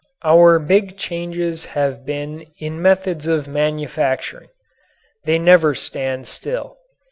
Our big changes have been in methods of manufacturing. They never stand still.